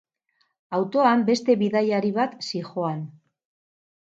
Autoan beste bidaiari bat zihoan.